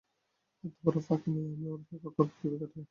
এতবড়ো ফাঁকি নিয়ে আমি ওঁর সেবা করব কী করে?